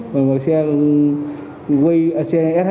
và một xe sh